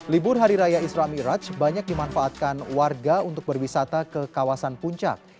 libur hari raya isra miraj banyak dimanfaatkan warga untuk berwisata ke kawasan puncak